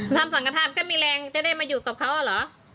สังกระทานก็มีแรงจะได้มาอยู่กับเขาเหรอ